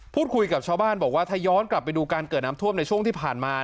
กับชาวบ้านบอกว่าถ้าย้อนกลับไปดูการเกิดน้ำท่วมในช่วงที่ผ่านมา